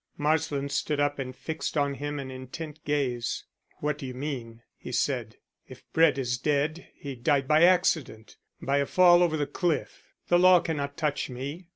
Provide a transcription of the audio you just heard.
Marsland stood up and fixed on him an intent gaze. "What do you mean?" he said. "If Brett is dead he died by accident by a fall over the cliff. The law cannot touch me."